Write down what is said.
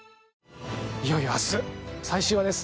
いよいよ明日、最終話です。